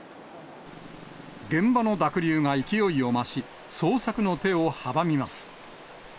現場の濁流が勢いを増し、捜索の手を阻みます。